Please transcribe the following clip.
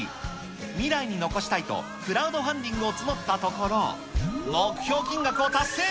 未来に残したいと、クラウドファンディングを募ったところ、目標金額を達成。